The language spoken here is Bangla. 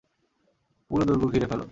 পুরো দূর্গ ঘিরে ফেলো!